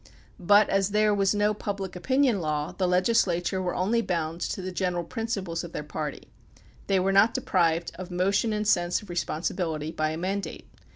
But as there was no Public Opinion Law the legislature were only bound to the general principles of their party; they were not deprived of motion and sense of responsibility by a mandate.